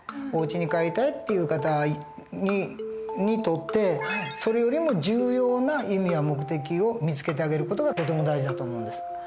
おうちに帰りたいっていう方にとってそれよりも重要な意味や目的を見つけてあげる事がとても大事だと思うんです。